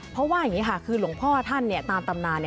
เพราะว่าอย่างนี้ค่ะคือหลวงพ่อท่านตามตำนาน